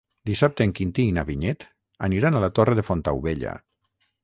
Dissabte en Quintí i na Vinyet aniran a la Torre de Fontaubella.